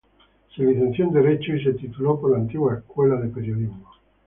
Se licenció en Derecho y se tituló por la antigua Escuela de Periodismo.